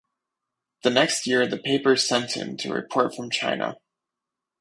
The next year the papers sent him to report from China.